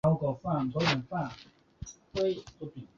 羽尾信号场筱之井线的一个已废止的线路所。